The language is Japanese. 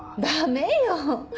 ダメよ！